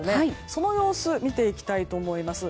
その様子見ていきたいと思います。